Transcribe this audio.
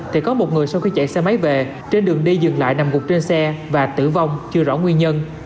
thì có một người sau khi chạy xe máy về trên đường đi dừng lại nằm gục trên xe và tử vong chưa rõ nguyên nhân